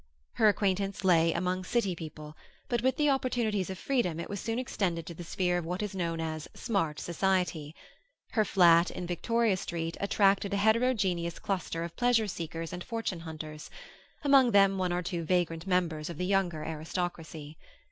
Her acquaintance lay among City people, but with the opportunities of freedom it was soon extended to the sphere of what is known as smart society; her flat in Victoria Street attracted a heterogeneous cluster of pleasure seekers and fortune hunters, among them one or two vagrant members of the younger aristocracy.